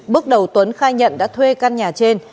bước đầu tuấn khai nhận đã thuê căn nhà trên